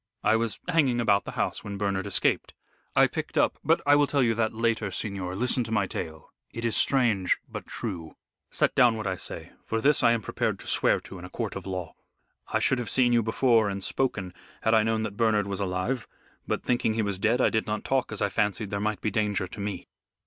I was hanging about the house when Bernard escaped. I picked up but I will tell you that later, signor, listen to my tale it is strange but true. Set down what I say, for this I am prepared to swear to in a court of law. I should have seen you before and spoken had I known that Bernard was alive, but thinking he was dead I did not talk as I fancied there might be danger to me."